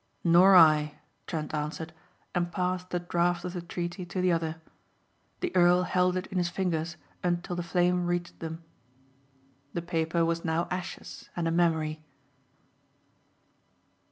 "Nor I," Trent answered and passed the draft of the treaty to the other. The earl held it in his fingers until the flame reached them. The paper was now ashes and a memory.